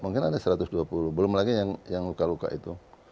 mungkin ada satu ratus dua puluh belum lagi yang luka luka itu